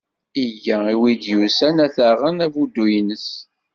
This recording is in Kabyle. Iga i wid i d-yusan ad t-aɣen abuddu-ines.